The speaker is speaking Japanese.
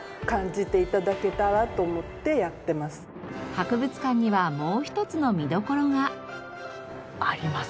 博物館にはもう一つの見どころが。あります。